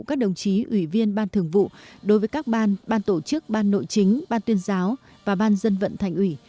các đồng chí ủy viên ban thường vụ đối với các ban ban tổ chức ban nội chính ban tuyên giáo và ban dân vận thành ủy